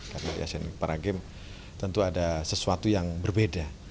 karena di asian para games tentu ada sesuatu yang berbeda